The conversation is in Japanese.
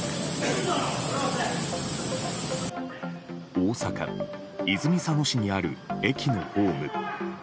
大阪・泉佐野市にある駅のホーム。